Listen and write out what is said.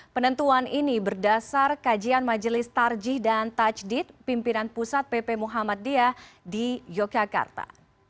penentuan ini berdasar kajian majelis tarjih dan tajdid pimpinan pusat pp muhammadiyah di yogyakarta